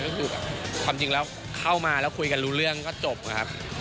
ก็คือแบบความจริงแล้วเข้ามาแล้วคุยกันรู้เรื่องก็จบครับ